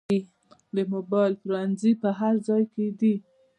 د موبایل پلورنځي په هر ځای کې دي